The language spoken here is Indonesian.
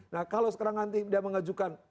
nah kalau sekarang nanti dia mengajukan